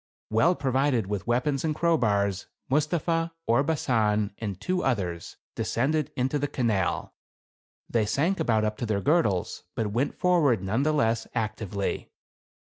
Well provided with weapons and crowbars, Mustapha, Orbasan and two others, descended into the canal. They sank about up to their gir dles, but went forward none the^ less actively.